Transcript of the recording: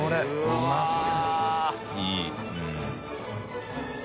うまそう